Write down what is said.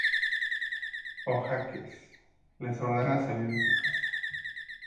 Oakes les ordena salir de su casa.